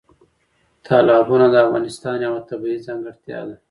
تالابونه د افغانستان یوه طبیعي ځانګړتیا ده.